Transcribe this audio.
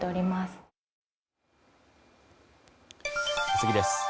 次です。